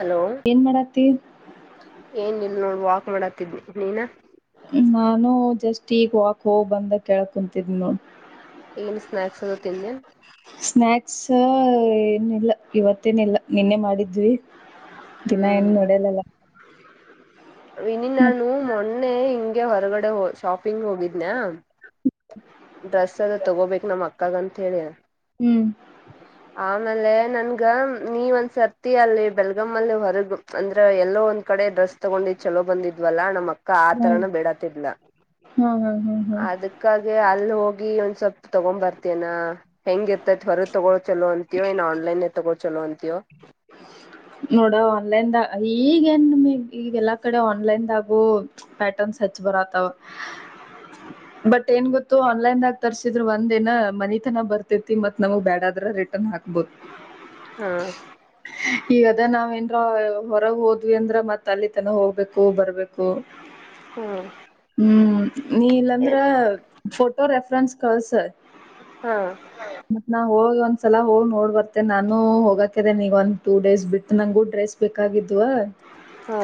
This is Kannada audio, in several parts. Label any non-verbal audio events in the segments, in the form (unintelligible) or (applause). ಹಲೋ ಏನ್ ಮಾಡತಿ ಏನ್ ನೋಡ್ ವಾಕ್ ಮಾಡಾತ್ತಿದ್ರು ನೀನಾ ನಾನು ಜಸ್ಟ್ ಈಗ ವಾಕ್ ಹೋಗ್ ಬಂದ ಕೇಳಕ್ ಕುಂತಿದನಿ ನೋಡ ಸ್ನಾಕ್ಸ್ ಅದು ತಿಿಂದ ಸ್ನ್ಯಾಕ್ಸ್ ಏನಿಲ್ಲ ಇವತ್ತೇನಿಲ್ಲ ನಿನ್ನೆ ಮಾಡಿದ್ವಿ ದಿನ ಇನ್ ನೋಡಲ್ಲಲ್ಲ ಇನಿ ನಾನು ಮೊನ್ನೆ ಹಿಂಗೆ ಹೊರಗಡೆ ಶಾಪಿಂಗ್ ಹೋಗಿದ್ನ ಡ್ರೆಸ್ ಎಲ್ಲ ತಗೋಬೇಕಕ್ ನಮ್ಮ್ ಅಕ್ಕಗಂತ ಹೇಳಿ ಹ್ಮ್ ಆಮೇಲೆ ನನ್ಗ ನೀ ಒಂದ್ ಸರ್ತಿ ಅಲ್ಲಿ ಬೆಲ್ಗಾ ಅಲ್ಲಿ ಹೊರಗು ಅಂದ್ರೆ ಎಲ್ಲೋ ಒಂದ್ ಕಡೆ ಡ್ರೆಸ್ ತಗೊಂಡ ಚಲೋ ಬಂದಿದ್ವಲ್ಲ ನಮ್ಮಕ್ಕ ಹ್ಮ್ ಆತರನ ಬಿೇಡತಿಲ್ಲ ಹ್ಮ್ ಹ್ಮ್ ಹ್ಮ್ ಹ್ಮ್ ಅದಕ್ಕಾಗಿ ಹೋಗಿ ಒಂದ್ ಸ್ವಲ್ಪ್ ತಗೊಂಡ್ ಬರ್ತನಾ ಹೆಂಗಿರ್ ಮತ್ವರ ತಗೋಳ್ ಚಲೋ ಅಂತೋ ಇನ್ನು ಆನ್ಲೈನ್ ತೊಗೋಳ್ ಚಲೋ ಅಂತಯೋ ನೋಡ ಆನ್ಲೈನ್ದ ಈಗ ಏನ್ಮಗ್ ಈಗ ಎಲ್ಲಾ ಕಡೆ ಆನ್ಲೈನ್ದಾಗು ಪ್ಯಾಟರ್ನ್ ಸಚ್ ಭರತ ಅವ ಬಟ್ ಏನ್ ಗೊತ್ತು ಆನ್ಲೈನ್ದಾಗ ತರ್ಸಿದ್ರು ಒಂದ್ನ ಮನಿತನ ಬರ್ತೇತಿ ಮತ್ ನಮಗ್ ಬೇಡ್ರ ರಿಟರ್ನ್ ಹಾಕ್ಬೋದು ಹಾ ಈಗದ ನಾವ್ ಏನ್ ಹೊರಗ್ ಹೋದ್ವಿ ಅಂದ್ರ ಮತ್ ಅಲ್ಲಿ ತನ ಹೋಗ್ಬೇಕು ಬರ್ಬೇಕು ಹ್ಮ್ ಹ್ಮ ನೀ ಇಲ್ಲಂದ್ರೆ ಫೋಟೋಗ್ರಫ್ ಕರ್ ಹಾ ನ ಹೋಗಿ ಒಂದ್ಸಲ ಹೋಗಿ ನೋಡ್ ಬರ್ತೆ ನಾನು ಹೋಗಾಕಿದ್ದೇನೆ ನೀಗ ಒಂದ ಟೂ ಡೇಸ್ ಬಿಟ್ಟು ನಂಗು ಡ್ರೆಸ್ ಬೇಕಾಗಿದ್ವ ಹಾ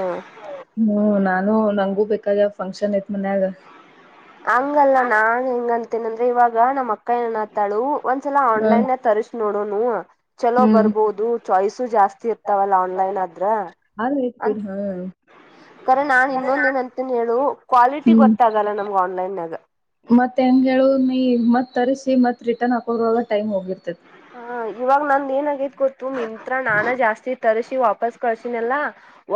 ಹ್ಮ್ ನಾನು ನಂಗೂ ಬೇಕಾಗ ಫಂಕ್ಷನ್ ಐತ್ ಮನ್ಯಾಗ ಹಂಗಲ್ಲ ನಾನ್ ಹೆಂಗಂತೇನ ಅಂದ್ರೆ ಇವಾಗ ನಮ್ಮ್ ಅಕ್ಕ ನನ್ ಹತ್ತಾಳು ಒಂದ್ಸಲ ಹ್ಮ್ ಆನ್ಲೈನ್ ತರಿಸಸಿ ನೋಡುನು ಚಲೋ ಹ್ಮ್ ಬರ್ಬೋದು ಚಾಯ್ಸು ಜಾಸ್ತಿ ಇರ್ತಾವಲ್ಲ ಆನ್ಲೈನ್ ಆದದ್ರ ಆದ್ ಐತ್ ಅ ಬಿಡ್ ಹಾ ಖರೆ ನಾನನ್ ಇನ್ನೊಂದೇನಂತನ ಹೇಳು ಕ್ವಾಲಿಟಿ ಹ್ಮ್ ಗೊತ್ತಾಗಲ್ಲ ನಮ್ಗೆ ಆನ್ಲೈನ್ಯಾಗ ಮತ್ತು ಹೆಂಗೆ ಹೇಳು ನೀ ಮತ್ತು ತರಿಸಿ ಮತ್ತು ರಿಟರ್ನ್ ಹಾಕೋರವಾಗ ಟೈಮ್ ಹೋಗಿರ್ತೈದೆ ಹ ಇವಾಗ ನಂದ ಏನ ಆಗೈ ತ್ತು ಮಿಂತ್ರ ನಾನ ಜಾಸ್ತಿ ತರಿಸಿ ವಾಪಸ್ ಕಳಸಿನಲ್ಲ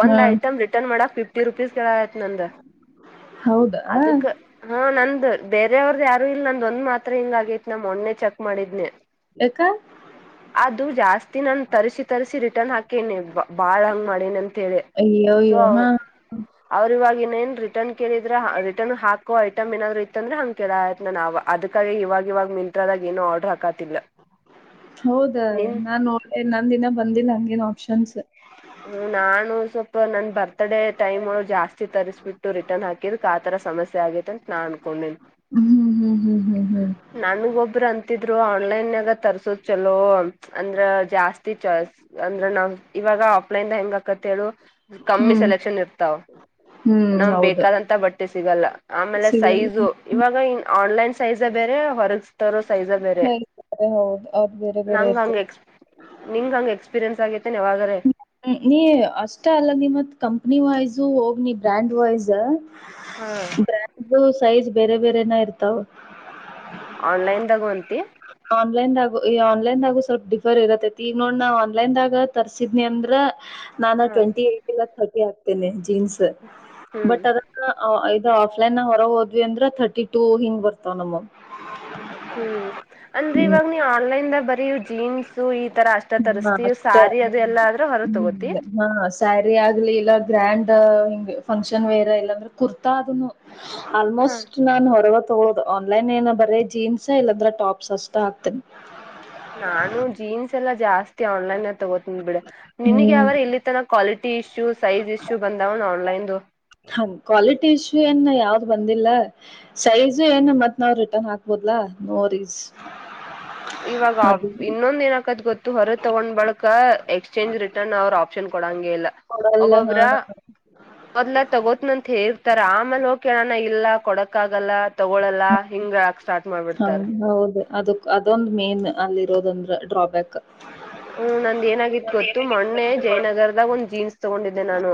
ಒಂದ ಹಾ ಐಟಮ್ ರಿಟರ್ನ್ ಮಾಡಕ್ ಫಿಫ್ಟಿ ರೂಪಿಸ ಕೇಳಾಕ ನಂದ ಹೌದಾ ಅದಕ್ಕೆ ಹಾ ನಂದು ಬೇರೆ ಅದೇವ್ರದ ಯಾರು ಇಲ್ ನಂದೊಂದ್ ಮಾತ್ರ ಹಿಂಗ ಆಗೈತಿ ನಾ ಮೊನ್ನಿ ಚೆಕ್ ಮಾಡಿದ್ನೆ ಕ್ಕಾ ಅದು ಜಾಸ್ತಿ ನನ್ ತರ್ಸಿ ತರ್ಸಿ ರಿಟರ್ನ್ ಹಾಕೇನೆ ಬಾಳ್ ಹಂಗ್ ಮಾಡ ಹೇಳಿ (unintelligible) ಅಯ್ಯೋ ಸೊ ಅಯ್ಯೋ ಹಾ ಅವ್ರ ಇವಾಗೆನ್ ರಿಟರ್ನ್ ಕೇಳಿ (unintelligible) ರಿಟರ್ನ್ ಹಾಕುವ ಐಟಮ್ ಏನಾದ್ರು ಇತ್ತ ಅಂದ್ರ ಹಂಗ ಕೆೇಳ ಆಯ್ತ್ (unintelligible) ನ ಅದಕ್ಕಾಗಿ ಇವಾಗಿ ಇವಾಗ ಮಿಂತ್ರದಾಗ ಏನ ಒಡರ್ ಹಾಕತಿಲ್ಲ ಹೌದಾ ನಿನ್ ನಾನ್ ನೋಡ್ (unintelligible) ನಂದಿನ ಬಂದಿಲ್ಲ ಹಂಗೇನ್ ಆಪ್ಷನ್ಸ್ ಹ್ಮ ನಾನು ಸ್ವಲ್ಪ ನನ್ ಬರ್ತ್ಡೇ ಟೈಮ್ ಜಾಸ್ತಿ ತರಿಸ್ಬಿಟ್ಟು ರಿಟರ್ನ್ ಹಾಕಿದಕ್ಕ ಆ ತರ ಸಮಸ್ಯೆ ಆಗೈತೆ ಅಂತ ನಾ ಅನ್ಕೊಂಡೇನಿ ಹ್ಮ್ ಹ್ಮ್ ಹ್ಮ್ ಹ್ಮ್ ಹ್ಮ್ (unintelligible) ಆನ್ಲೈನ್ ನ ತರ್ಸೋದ್ ಚಲೋ ಅಂದ್ರ ಜಾಸ್ತಿ (unintelligible) ಅಂದ್ರ (unintelligible) ಇವಾಗ (unintelligible) ಹೆಂಗಕತ್ತ ಹೇಳು ಕಮ್ಮಿ ಹ್ಮ್ ಸೆಲೆಕ್ಷನ್ ಇರ್ತಾವ್ ಹ್ಮ್ ನಮ್ ಹೌದು. ಬೇಕಾದಂತ (unintelligible) (inaudible) ಸಿಗಲ್ಲ ಆಮೇಲೆ ಸಿಗಲ್ ಸೈಜು ಇವಾಗ ಆನ್ಲೈನ್ ಸೈಜ ಬೇರೆ ಹೊರಗ ತರೋ (unintelligible) ಸೈಜೇ ಬೇರೆ ಹೌದು ಅವ್ರ್ ಬೇರೆ ಬೇರೆ ನಂಗ ಹಂಗ ಇರ್ತದೆ. (unintelligible) ನಿಂಗ ಹಂಗ ಎಕ್ಸ್ಪೀರಿಯೆನ್ಸ್ ಆಗೈತೆ (unintelligible) ನೀ ಅಷ್ಟ ಅಲ್ಲ ನಿ ಮತ್ ಕಂಪ್ನಿ ವೈಸ್ ಹೋಗ್ ನೀ ಬ್ರ್ಯಾಂಡ್ ವೈಸ್ ಹಾ ಬ್ರ್ಯಾಂಡೂ ಸೈಜ್ ಬೇರೆ ಬೇರೆನ ಇರ್ತಾವ ಆನ್ಲೈನ್ (unintelligible) ಆನ್ಲೈನ್ದಾಗು ಈ ಆನ್ಲೈನ್ದಾಗು ಸ್ವಲ್ಪ ಡಿಫರ್ ಇರತ್ತೈತಿ ಈಗ ನೋಡ್ ನಾ ಆನ್ಲೈನ್ದಾಗ ತರ್ಸಿದ್ನಿ ಅಂದ್ರ ನಾನ ಹಾ ಟ್ವೆಂಟಿ ಏ ಇಲ್ಲ ತರ್ಟಿ ಆಗ್ತೇನೆ ಜೀನ್ಸ್ ಹ್ಮ್ ಬಟ್ ಅದ (unintelligible) ಆಫ್ಲೈನ್ ಹೊರ ಹೋದ್ವಿ ಅಂದ್ರ ತರ್ಟಿ ಟು ಹಿಂಗ್ ಬರ್ತಾವ ನಮ್ಮವು ಹ್ಮ್ ಅಂದ್ರೆ ಇವಾಗ ನೀ ಆನ್ಲೈನ್ದ ಬರೀ ಜೀನ್ಸು (unintelligible) ತರಿಸ್ತೀವಿ ಸಾರಿ ಅದು ಎಲ್ಲ ಆದ್ರ ಹೊರಗ್ ತಗೋತಿ (unintelligible) ಸ್ಯಾರಿ ಆಗ್ಲಿ ಇಲ್ಲ ಗ್ರ್ಯಾಂಡ್ ಫಂಕ್ಷನ್ ವೆರ್ ಇಲ್ಲಂದ್ರೆ ಕುರ್ತಾ (unintelligible) ಹಾ ಆಲ್ಮೋಸ್ಟ್ ನಾನು (unintelligible) ತಗೊಳ್ಳೋದು ಆನ್ಲೈನ್ ಏನ ಬರೀ ಜೀನ್ಸ್ ಇಲ್ಲಾಂದ್ರೆ ಟಾಪ್ಸ್ ಅಷ್ಟ ಆಕ್ತಿನಿ ನಾನು ಜೀನ್ಸ್ ಎಲ್ಲಾ ಜಾಸ್ತಿ ಆನ್ಲೈನ್ (unintelligible) ತಗೋತಿನ್ಬಿಡು ನಿನಗೆ ಹ್ಮ್ ಯಾವಾರ ಇಲ್ಲಿ ತನ ಕ್ವಾಲಿಟಿ ಇಶ್ಯೂ ಸೈಜ್ ಇಶ್ಯೂ ಬಂದವೇನು ಆನ್ಲೈನ್ ದು (unintelligible) ಕ್ವಾಲಿಟಿ ಇಶು ಏನ್ ಯಾವ್ದ್ ಬಂದಿಲ್ಲ ಸೈಜು ಏನ್ ಮತ್ ನಾವ್ ರಿಟರ್ನ್ ಹಾಕ್ಬೋಡ್ಲಾ ನೋ ವರಿಸ್ ಇವಾಗ ಇನ್ನೊಂದ ಏನ್ ಆಕದ್ ಗೊತ್ತು ಹೊರ ತಗೊಂಡ್ ಬಳಕ ಎಕ್ಸ್ಚೇಂಜ್ ರಿಟರ್ನ್ ಅವ್ರ ಆ (unintelligible) ಕೊಡಾಂಗೆ ಇಲ್ಲ ಕೊಡಲ್ಲ ಹಾ ಒಬ್ಬೊಬ್ರ ಮೊದ್ಲ ತಗೋತ್ನ ಅಂತ ಹೇರ್ತಾರ ಆಮೇಲೆ ಹೋಗ್ ಕೇಳಣ ಇಲ್ಲ (unintelligible) (unintelligible) ಆಗಲ್ಲ ತಗೊಳಲ್ಲಾ ಹಿಂಗೇಳಾಕ ಸ್ಟಾರ್ಟ್ ಮಾಡ್ಬಿಡ್ತಾರ ಅದಕ್ ಅದೊಂದ್ ಮೇನ್ ಅಲ್ಲಿ ಇರೋದಂದ್ರ ಡ್ರಾಬ್ಯಾಕ್ ಹ್ಮ್ ನಂದ ಏನಾಗಿತ್ ಗೊತ್ತು ಮೊನ್ನೆ ಜಯನಗರದಾಗ ಒಂದ್ ಜೀನ್ಸ್ ತಗೊಂಡಿದ್ದೆ ನಾನು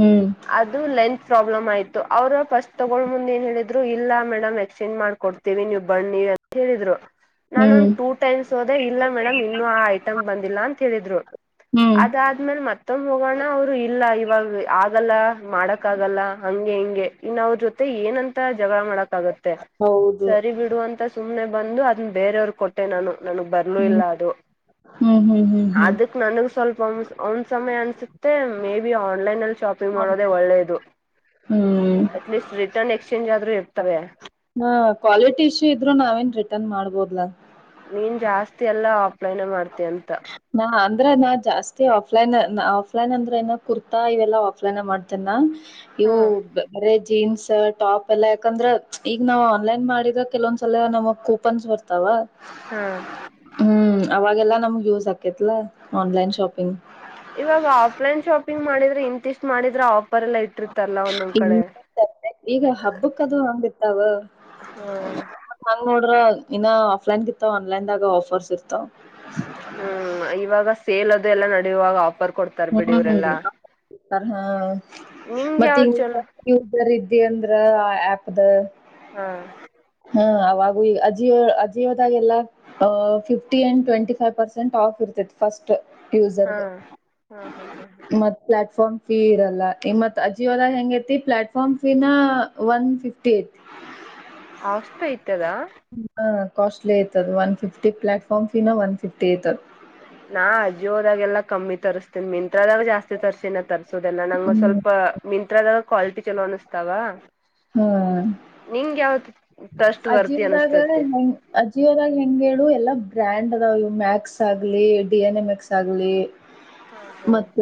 ಹ್ಮ್ ಅದು ಲೆಂತ್ ಪ್ರಾಬ್ಲಮ್ ಆಯ್ತು ಅವ್ರ ಫಸ್ಟ್ ತಗೊಳ್ ಮುಂದ್ ಏನ್ ಹೇಳಿದ್ರು ಇಲ್ಲ ಮೇಡಮ್ ಎಕ್ಸ್ಚೇಂಜ್ ಮಾಡ್ಕೊಡ್ತೀವಿ ನೀವು ಬನ್ನಿ ಅಂತ ಹೇಳಿದ್ರು ಹ್ಮ್ ನಾನೊಂದ್ ಟೂ ಟೈಮ್ಸ್ ಹೋದೆ ಇಲ್ಲ ಮೇಡಮ್ ಇನ್ನು ಆ ಐಟಮ್ ಬಂದಿಲ್ಲ ಅಂತ ಹೇಳಿದ್ರು ಹ್ಮ್ ಅದಾದ್ಮೇಲ್ ಮತ್ತೊಂ ಹೋಗೋಣ ಅವರು ಇಲ್ಲ ಇವಾಗ ಆಗಲ್ಲ ಮಾಡಕ್ ಆಗಲ್ಲ ಹಂಗೆ ಹಿಂಗೆ ಇನ್ನ ಅವ್ರ ಜೊತೆ ಏನಂತ (unintelligible) ಜಗಳ ಮಾಡಕ್ ಆಗುತ್ತೆ ಹೌದು ಸರಿ ಬಿಡುವಂತ ಸುಮ್ನೆ ಬಂದು ಅದ್ ಬೇರೆಯವರು (unintelligible) (unintelligible) ನಾನು ನಂಗ್ ಬರ್ಲೂ ಹ್ಮ್ ಇಲ್ಲ ಅದು ಹ್ಮ್ ಹ್ಮ್ ಹ್ಮ್ ಹ್ಮ್ (unintelligible) ಒಂದ್ ಸಮಯ ಅನ್ಸುತ್ತೆ ಮೇ ಬಿ ಆನ್ಲೈನ್ ಅಲ್ಲಿ ಶಾಪಿಂಗ್ ಮಾಡೋದೇ ಆನ್ಲೈನ್. ಒಳ್ಳೇದು ಹ್ಮ್ ಅಟ್ಲೀಸ್ಟ್ ರಿಟರ್ನ್ ಎಕ್ಸ್ಚೇಂಜ್ ಆದ್ರೂ ಇರ್ತವೆ ಹಾ ಕ್ವಾಲಿಟಿ ಇಶ್ಯೂ ಇದ್ರು ನಾವೇನ್ ರಿಟರ್ನ್ ಮಾಡ್ಬೋದ್ಲಾ ನೀನ್ ಜಾಸ್ತಿ ಎಲ್ಲ ಆಫಲೈನೆ ಮಾಡ್ತಿ ಅಂತ ನಾ ಅಂದ್ರೆ ನಾ ಜಾಸ್ತಿ ಆಫ್ಲೈನ್ ಆಫ್ಲೈನ್ ಅಂದ್ರೆ ಏನ ಕುರ್ತಾ ಇವೆಲ್ಲ ಆಫ್ಲೈನ್ ಮಾಡ್ತಿನಾ ಹಾ (unintelligible) ಜೀನ್ಸ್ ಟಾಪ್ ಎಲ್ಲಾ ಯಾಕಂದ್ರೆ ಈಗ ನಾವ್ ಆನ್ಲೈನ್ ಮಾಡಿದ್ರ ಕೆಲವಂದ್ಸಲ ನಮಗ್ ಕೂಪನ್ಸ್ ಬರ್ತಾವ ಹಾ ಹ್ಮ್ ಅವಾಗೆಲ್ಲಾ ನಮ್ಗೆ ಯೂಸ್ ಆಕೇತ್ಲಾ ಆನ್ಲೈನ್ ಶಾಪಿಂಗ್ ಇವಾಗ ಆಫ್ಲೈನ್ ಶಾಪಿಂಗ್ ಮಾಡಿದ್ರೆ ಇಂತಿಷ್ಟ್ ಮಾಡಿದ್ರೆ ಆಫರ್ ಎಲ್ಲ ಇಟ್ಟಿರ್ತಾರಲ್ಲ ಒಂದೊಂದ್ ಇ ಕಡೆ ಈಗ ಹಬ್ಬಕ್ಕದು ಹಂಗತ್ತಾವ ಹಾ ನೋಡ್ರ ಇನ್ನ ಆಫ್ಲೈನ್ಗಿತ್ತ ಆನ್ಲೈನ್ದಾಗ ಆಫರ್ಸ್ ಇರ್ತಾವ ಹ್ಮ್ ಇವಾಗ ಸೇಲ್ ಅದು ಎಲ್ಲ ನಡುವಾಗ ಆಫರ್ ಕೊಡ್ತಾರ ಬಿಡಿ ಇವರೆೆಲ್ಲಾ ಹ ಮತ್ತೆ ಚಲೋ ಯರ್ ಇದಿ ಅಂದ್ರ ಆ ಆಪ್ ಅದು ಹಾ ಹ್ಮ ಅವಾಗ ಈ ಅಜೀವ ಅಜೀವದಾಗೆಲ್ಲಾ್ fifty and twenty five percent of ಕತ ಫಸ್ಟ್ ಹಾ ಯೂಸರ್ಗ. ಹಾ ಹಾ ಹಾ ಹ ಮತ್ ಪ್ಲಾಟ್ಫಾರ್ಮ್ ಫೀ ಇರಲ್ಲ ಇ ಮತ್ ಅಜಿಯೋದಾಗ ಹೆಂಗ ಐತಿ ಪ್ಲಾಟ್ಫಾರ್ಮ್ ಫೀ ನ ಒನ್ ಫಿಫ್ಟಿ ಏಟ್ ಅಷ್ಟಾಯ್ತು ಹ ಕಾಸ್ಟ್ಲಿ ಐತದ ಒನ್ ಫಿಫ್ಟಿ ಪ್ಲಾಟ್ಫಾರ್ಮ್ ಫೀನ ಒನ್ ಫಿಫ್ಟಿ ಐತದ ನಾ ಅಜ್ಜೋದಾಗೆಲ್ಲಾ ಕಮ್ಮಿ ತರಿಸಸ್ತೇನಿ ಮಿಂತ್ರದಾಗ ಜಾಸ್ತಿ ತರಿಸಸೀಿನ ತರ್ಸಿ ಸೊ ಅದೆಲ್ಲಾ ನಂಗೊಂದು ಹ್ಮ್ ಸ್ವಲ್ಪ ಮಿಂತ್ರದಾಗ ಕ್ವಾಲಿಟಿ ಚಲೋ ಅನಿಸ್ತಾವ ನಿಂಗ ಯಾವತ್ ಟ್ರಸ್ಟ್ ವರ್ತಿ ಅಜಿಯವದಾಗ ಅನಸ್ತೈತಿ ಹೆಂಗ್ ಅಜಿಯವೋದಾಗ ಹೆಂಗು ಎಲ್ಲಾ ಬ್ರ್ಯಾಂಡ್ ಅದಾವ ಮ್ಯಾಕ್ಸ್ ಆಗಲಿ ಡಿ ಎನ್ ಎ ಮೆಕ್ಸ್ ಆಗಲಿ ಹಾ ಹಾ ಮತ್ತ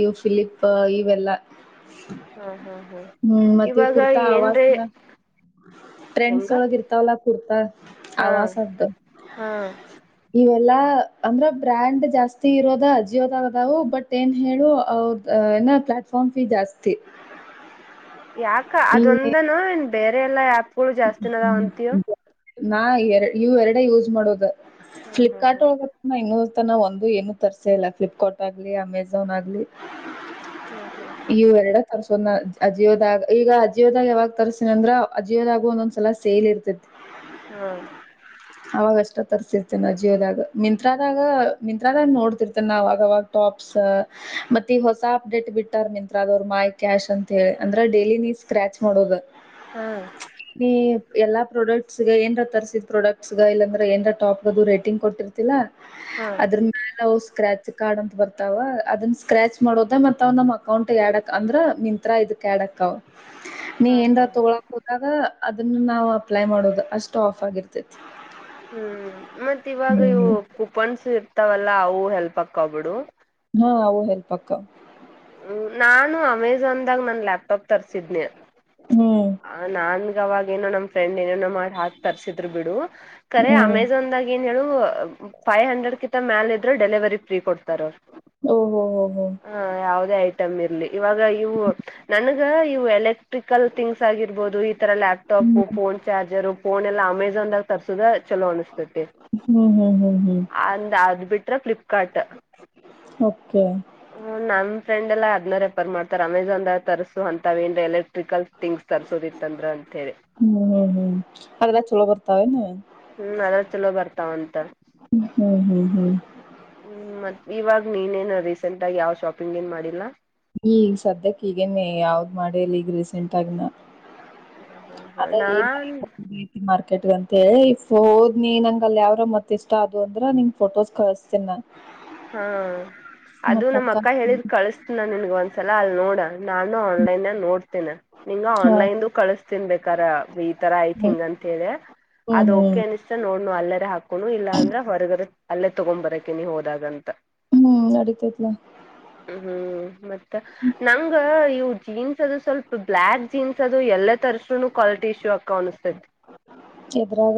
ಇಯವು ಫಿಲಿಪ್ ಇವೆಲ್ಲ ಹಾ ಹಾ ಹಾ ಹ್ಮ್ ಮತ್ತೆ ಇವಾಗ ಕುರ್ತಾ ಆವಾಜ ಏನ್ರೀ ಹೆಂಗ ಒ ಇರ್ತಲ್ಲ ಕುತ ಆ ಹಾ ಹಾ ಇವೆಲ್ಲಾ ಅಂದ್ರ ಬ್ರ್ಯಾಂಡ್ ಜಾಸ್ತಿ ಇರೋದ ಅಜಿಯೋದದವು ಬಟ್ ಏನ್ ಹೇಳು ಅವ್ರದ ಪ್ಲಾಟ್ಫಾರ್ಮ್ ಫೀ ಜಾಸ್ತಿ ಯಾಕ ಈ ಅದೊಂದನು ಏನ್ ಬೇರೆ ಎಲ್ಲ ಯಾ ಹುಳು ಜಾಸ್ತಿಿನದ ಅಂತೀವು ನಾ ಎರ ಇ್ ಎರಡೆ ಯೂಸ್ ಮಾಡೋದ ಹ್ಮ್ ಹ್ಮ್ ಫ್ಲಿಪ್ಕಾರ್ಟ್ ಒಳ ಇನ್ನು ತ ನ ಒಂದು ಏನು ತರಿಸೇ ಇಲ್ಲ ಫ್ಲಿಪ್ಕಾರ್ಟ್ ಆಗಲಿ ಅಮೆಜಾನ್ ಆಗಲಿ ಹ್ಮ್ ಹ್ಮ್ ಹ್ಮ್ ಅಜಿಯದಾಗ ಈಗ ಅಜಿಯೋದಾಗ ಯಾವಾಗ ತರಿಸ್ತಿನಿ ಅಂದ್ರ ಅಜ ೋದಾಗ ಒಂದೊಂದ್ಸಲ ಸೇಲ್ ಇರ್ತೈತಿ ಹ್ಮ್ ಅವಾಗ ಅಷ್ಟ ತರ್ಸಿರ್ತೇನ ಜೀವದಾಗ ಮಿಂತ್ರಾದಾಗ ಮಿಂತ್ರಾದಾಗ ನೋಡ್ತಿರ್ತೇನ ಅವಾಗವಾಗ ಾಪ್ಸ್ ಮತ್ತ ಈ ಹೊಸ ಅಪ್ಡೇಟ್ ಬಿಟ್ಟಾರ್ ಮಿಂತ್ರ ಅ ಅವ ಮೈ ಕ್ಯಾಶ್ ಅಂತ ಹೇಳಿ ಅಂದ್ರೆ ಡೈಲಿ ನೀ ಸ್ಕ್ರಾಚ್ ಮಾಡೋುದು ಹಾ ಎಲ್ಲಾ ಪ್ರಾಡಕ್ಟ್ಸ್ ಏನ್ರ ತರ್ಸಿದ್ ಪ್ರಡಕ್ಟ್ಸ್ಗ ಇಲ್ಲಾಂದ್ರ ಏನ್ರಟಾಪ್ ದು ರೇಟಿಂಗ್ ಕೊಟ್ಟಿರ್ತಿಲ್ಲಾ ಹ್ಮ್ ಅದ್ರ ಮೇಾಲ ಸ್ಕ್ರಾಚ್ ಚ ಕಾರ್ಡ್ ಅಂತ ಬರ್ತಾವ ಅದನ್ ಸ್ಕ್ರ್ಯಾಚ್ ಮಾಡೋದ ಮತ್ತತ್ ಅವ್ ನಮ್ ಅಕೌಂಟ್ ಎಡಕ್ ಅಂದ್ರ ಮಂತ್ರ ಇದಕ್ ಆಡಕ್ ಅವ ನೀ ಹ್ಮ್ ಹ್ಮ್ ಏಂದ ಹ್ಮ್ ತೊಳಕ್ ಹೋದಾಗ ಅದನ್ನ ನಾವವು ಅಪ್ಲೈ ಮಾಡೋದು ಅಷ್ಟು ಆಫ್ ಆಗಿರ್ತೇತಿ ಹ್ಮ್ ಮತ್ತತ್ ಇವಾಗ ಇವು ಹ್ಮ್ ಕುಪನ್ಸು ಇರ್ತಾವಲ್ಲ ಎಲ್ಪಕ್ಕೋಗ್ಬಿಡು ಹಾ ವು ಹೆಲ್ ಪಕ್ಕ ನಾನು ಅಮೆಜಾನ್ದಾಗ ನನ್ ಲ್ಯಾಪ್ಟಾಪ್ ತರ್ಸಿದನಿ ಹ್ಮ್ ನನ್ ಅವಾಗ ೋ ನ್ ಫ್ರೆಂಡ್ ಏನೇನೋ ಮಾಡ್ ಹಾಕಕ್ ತರ್ಸಿದ್ರು ಬಿಡು ಕರೆ ಹ್ಮ್ ಅಮೆಜಾನ್ದಾಗ ಏನ್ ಹೇಳು ಫೈವ್ ಹಂಡ್ರೆಡ್ ಕಿಂತ ಮೇಾಲ ಇದ್ರೆ ಡೆಲಿವರಿ ್ರೀ ಕೊಡ್ತ ಓಹೋ ಹೋ ಹೋ ಅವ ಐಟಮ್ ಇರ್ಲಿ ಇವಾಗ ಇವು ನನಗ ಇ ಎಲೆ ಎಲೆಕ್ಟ್ರಿಕಲ್ ಥಂಗ್ಸ್ಗಿರ್ಬಹುದು ಈ ತರ ಹ್ಮ್ ಲ್ಯಾಪ್ಟಾಪಪ್ ಫೋನ್ ಚಾರ್ಜರ್ ಫೋನ್ ಎಲ್ಲ ಅಮೆಜಾನ್ಾಗ ತರ್ಸದ ಚಲೋ ಅನಿಸ್ತತಿ ಹ್ಮ್ ಹ್ಮ್ ಹ್ಮ್ ಹ್ಮ್ ಅಂದ ಅದು ಬಿಟ್ರ ಫ್ಲಿಪ್ಕಾರಾರ್ಟ್ ಓಕೆ ಲ್ಲ ಅದ್ ರೆಪರ್ ಮಾಡತಾರೆ ಅಮೆಜಾನ್ ತರಿಸು ಅಂತಾವೇಂದ ಎಲೆಕ್ಟ್ರಿಕಲ್ ಥಿಂಗ್ಸ್ ತರಿಸೋುದಿತ್ತಂದ್ರ ಅಂತೇಳಿ ಹ್ಮ್ ಹ್ಮ್ ಹ್ಮ್ ಅದೆಲ್ಲ ಚಲೋ ಬರ್ತಾವೇನು ಹ್ಮ್ ಅದ ಚಲೋ ಬರ್ತಾವಂತ ಹ್ಮ್ ಹ್ಮ್ ಹ್ಮ್ ಹ್ಮ್ ಮತ್ ಇವಾಗ ನೀನೇನು ರೀಸೆಂಟ್ ಆಗ ಯಾವ ಶಾಪಿಂಗ್ ಏನ್ ಮಾಡಿಲ್ಲ ಈಗ ಸದ್ಯಕ್ಕೆ ಈಗೇನೆೇ ಯಾವ್ದ್ ಮಾಡೇಲಿ ಈಗ ರೀಸೆಂಟ್ ಆಗ ನ ಅದ ಏನ ನಾನ್ ಮಾರ್ಕೆಟ್ ಮೇ ಇಫ್ ಹೋದ್ ನೀಿ ನಂಗ ಅಲ್ ಯಾವ್ರ ಮತ್ ಇಷ್ಟ ಅದು ಅಂದ್ರ ನಿಂಗ ಫೋಟೋಸ್ ಕಳಸ್ತನ್ ನ ಹಾ ಅದು ನಮ್ಮ್ ಅಕ್ಕ ಹೇಳಿದ್ ಕಳಸ್ತ ನ ನಿನ್ಗಂತ ್ಲ ಅಲ್ ನೋಡ ನಾನು ಆನ್ಲೈನ್ ನೋಡ್ ೇ ನಿಂಗ ಹಾ ಆನ್ಲೈನ್ ಕಳಿಸತನ್ ಬೇಕಾರ ಈ ತರ ಹ್ಮ್ ಐತಿಂಗ್ ಅಂತ ಹೇಳ ಹ್ಮ್ ಹ್ಮ್ ಅದಓಕೆ ಅನಿಸ್ತಾ ನೋಡ್ನು ಅಲ್ಲರ ಹಾಕುನು ಇಲ್ಲಾ ಅಂದ್ರೆ ಹೊರಗದ ಅಲ್ಲೇ ತಗೊ್ ಬರಕೆ ನೀವು ಹೋದಾಗ್ರ ಹ್ಮ್ ನಡೀತೇತಿ ಹ್ಮ್ ಮತ್ತೆ ನಂಗ ಇವು ಜೀನ್ಸ್ ಅದು ಸ್ವಲ್ಪ ಬ್ಲ್ಯಾಕ್ ಜೀನ್ಸ್ ಅದು ಎಲ್ಲ ತರ ಕ್ವಾಲಿಟಿ ಇಶ್ಯೂ ಆಕ ಅನ್ತೈತಿ ಎದ್ರಾಗ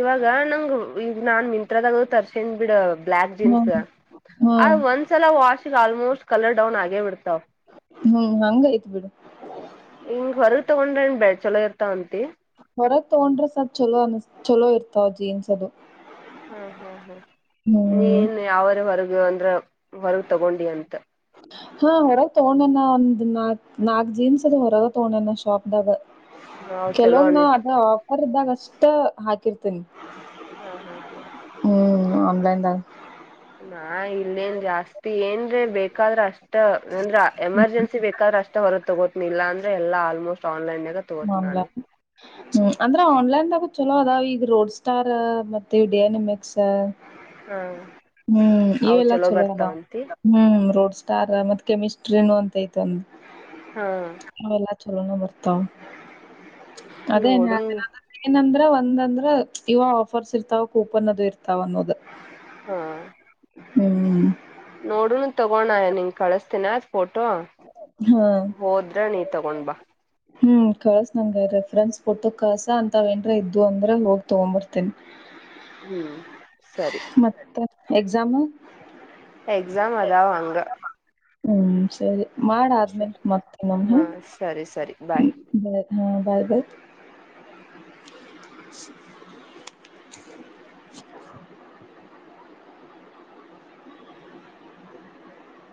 ಇವಾಗ ನಂಗ ಈಗ ನಾನ್ ಮಿಂತ್ರದಾಗ ತರ್ಸನ್್ ಬಿಡ್ ಬ್ಲ್ಯಾಕ್ ಜೀನ್ಸ್ ಹ್ಮ್ ಆ ಹ್ಮ್ ಒಂದ್ಸಲ ವಾಶ್ ಆಲ್ಮೋಸ್ಟ್ ಕಲರ್ ಡೌನ್ ಆಗೇ ಬಿಡ್ತಾವ ಹ್ಮ್ ಹಂಗ ಐತ್ ಬಿಡು ಹಿಂಗ ಹೊರಗ ತಗೊಂಡ್ರ ನ್ ಬಳ್ ಚಲೋ ಇತ್ತ ಅಂತಿ ಹೊರಗೆ ತಗೊಂಡ್ರೆ ಸ ಚಲೋ ಅನ್ ಚಲೋ ಇರ್ತಾವ ಜೀನ್ಸ್ ಅದು ಹಾ ಹಾ ಹಾ ಹ್ಮ್ ನೀನು ಯಾವರ ಹೊರಗ ನೀ ಅಂದ್ರ ಹೊರ್ಗ ತಗೊಂಡಿ ಅಂತ ಹಾ ಹೊರಗ್ ತಗೋೊಂಡಣ ಒಂದ್ ನಾಕ್ ನಾಕ್ ಜೀನ್ಸ್ ಅದು ಹೊರಗ ತಗೊಂಡಣಣ್ಣ ಶಾಪ್ ದಾಗ ಅವ್ ಚಲೋ ಕೆಲವೊಮ್ಮ್ ನ ಅನಿ ಅದ ಆಫರ್ ಇದ್ದಾಗ ಅಷ್ಟ ಹಾಕಿರ್ತೇನಿ ಹಾ ಹಾ ಹಾ ಆನ್ಲೈನ್ದ ಹಾ ಇಲ್ಲೇನ್ ಜಾಸ್ತಿ ಏನ್್ರೆ ಬೇಕಾದ್ರ ಅಷ್ಟ ಅಂದ್ರ ಎಮರ್ಜೆನ್ಸಿ ಬೇಕಾದ್ರ ಅಷ್ಟ ರ ತಗೋತನಿಲ್ಲ ಅಂದ್ರೆ ಎಲ್ಲ ಆಲ್ಮೋಸ್ಟ್ ಆನ್ಲೈನ್ ಆನ್ಲನ್ ಹ್ಮ ಅಂದ್ರೆ ಆನ್ಲೈನ್ದಾಗ ಚಲೋ ಅದಾವ ಈ ರೋಡ್ ಸ್ಟಾರ್ ಮತ್ತೆ ಡನಮೆಕ್ಸ್ ಹಾ ಹ್ಮ್ ಅವ್ ಇವೆಲ್ಲಾ ಚಲೋ ಅದ ಬರ್ತಾವಂತಿ ಹ್ಮ್ ರೋಡ್ ಸ್ಟಾರ್ ಮತ್ತತ್ ಕೆಮಿಸ್ಟ್ರಿನ ಅಂತ ೈತ್ ಒಂದು ಹಾ ಚಲೋನ ಬರ್ತಾ ಅದೇ ನೋಡುನ್ ಒಂದ್ ಅಂದ್ರ ಇವ ಆಫರ್ಸ್ ಇರ್ತಾವ ಕೂಪನ್ ಅದು ಇರ್ತಾವ ಅನ್ನೋದು ಹಾ ಹ್ಮ್ ನೋಡುನು ತಗೋಣಯ ನಿಂಗ ಕಳಸ್ತೀಿನ ಫೋಟೋ ಹಾ ಹೋದ್ರ ನೀ ತಗೊಂಡ್ ಬಾ ಹ್ಮ್ ಕಳಸ ನಂಗ ರೆಫ್ರನ್ಸ್ ಕೊಟ್ಟ ಕಸ ಅಂತ ಏನ್ರ ಇದ್ದು ಅಂದ್ರೆ ಹೋಗ್ ತಗೊಂಬರ್ತೇನ್ಿ ಹ್ಮ್ ಸರಿ ಮತ್ತ ಎಕ್ಸಾಮ್ ಎಕ್ಸಾಮ್ ಅಾವ ಅಂಗ ಹ್ಮ್ ಸರಿ ಮಾಡ ಆದ್ಮೇಲೆ ಮತ್ತ ಹ ಹಾ ಸರಿ ಸರಿ ಬಾಯ್ ಬಾಯ್ ಬಾಯ್